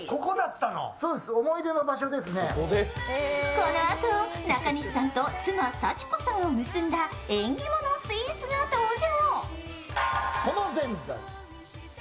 このあと、中西さんと妻・紗千子さんを結んだ縁起物スイーツが登場。